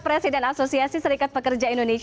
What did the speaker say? presiden asosiasi serikat pekerja indonesia